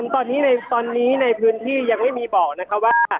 ตอนนี้ในพื้นที่ยังไม่มีบอกนะคะว่า